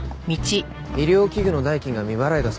医療器具の代金が未払いだそうです。